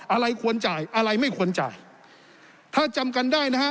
อะไรควรจ่ายอะไรไม่ควรจ่ายถ้าจำกันได้นะฮะ